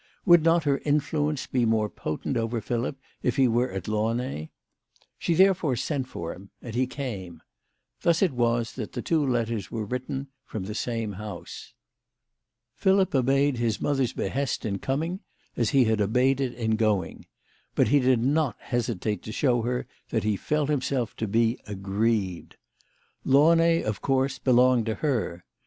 Would not her influence be more potent over Philip if he were at Launay ? She therefore sent for him, and he came. Thus it was that the two letters were written from the same house. Philip obeyed his mother's behest in coming as he had obeyed it in going; but he did not hesitate to show her that he felt himself to be aggrieved. Launay of course belonged to her.